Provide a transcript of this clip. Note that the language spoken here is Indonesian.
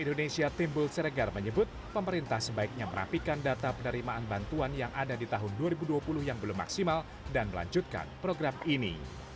indonesia timbul seregar menyebut pemerintah sebaiknya merapikan data penerimaan bantuan yang ada di tahun dua ribu dua puluh yang belum maksimal dan melanjutkan program ini